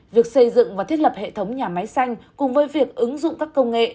việc xây dựng và thiết lập hệ thống nhà máy xanh cùng với việc ứng dụng các công nghệ